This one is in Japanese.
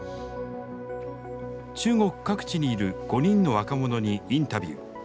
中国各地にいる５人の若者にインタビュー。